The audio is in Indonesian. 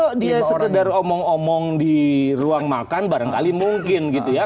kalau dia sekedar omong omong di ruang makan barangkali mungkin gitu ya